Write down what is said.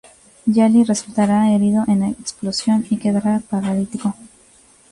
Yali resultará herido en la explosión y quedará paralítico.